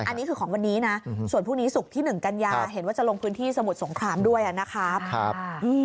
อันนี้คือของวันนี้นะส่วนพรุ่งนี้ศุกร์ที่๑กันยาเห็นว่าจะลงพื้นที่สมุทรสงครามด้วยนะครับ